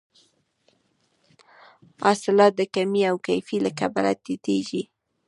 حاصلات د کمې او کیفي له کبله ټیټیږي.